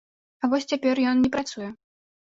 А вось цяпер ён не працуе.